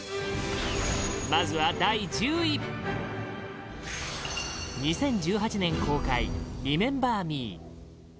まずは第１０位２０１８年公開「リメンバー・ミー」